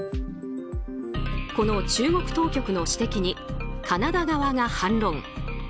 この中国当局の指摘にカナダ側が反論。